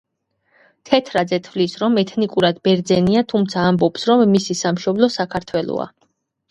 თეთრაძე თვლის რომ ეთნიკურად ბერძენია, თუმცა ამბობს რომ მისი სამშობლო საქართველოა.